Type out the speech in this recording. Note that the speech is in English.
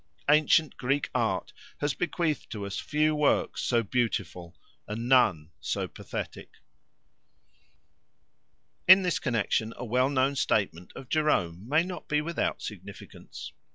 Ancient Greek art has bequeathed to us few works so beautiful, and none so pathetic. In this connexion a well known statement of Jerome may not be without significance.